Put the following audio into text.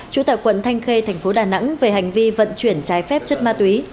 chủ tài quận thanh khê tp đà nẵng về hành vi vận chuyển trái phép chất ma túy